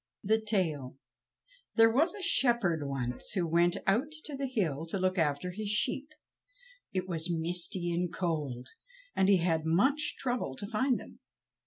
The Tail There was a shepherd once who went out to the hill to look after his sheep. It was misty and cold, and he had much trouble to find them.